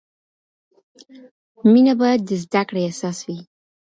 مینه باید د زده کړې اساس وي.